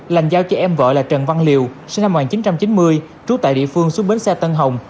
lành giao cho em vợ là trần văn liều sinh năm một nghìn chín trăm chín mươi trú tại địa phương xuống bến xe tân hồng